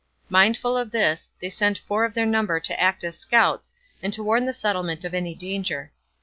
Mindful of this, they sent four of their number to act as scouts and to warn the settlement of any danger.